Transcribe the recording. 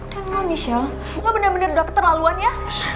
dan lo michelle lo bener bener udah keterlaluan ya